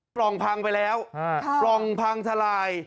ปล่องพังไปแล้วปล่องพังทลาย